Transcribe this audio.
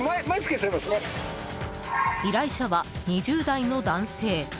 依頼者は２０代の男性。